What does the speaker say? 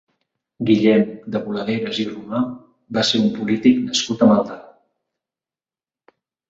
Guillem de Boladeres i Romà va ser un polític nascut a Maldà.